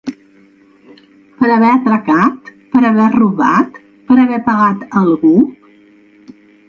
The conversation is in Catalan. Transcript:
Per haver atracat, per haver robat, per haver pegat a algú?